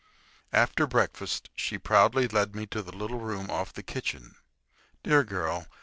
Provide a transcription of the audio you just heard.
After breakfast she proudly led me to the little room off the kitchen. Dear girl!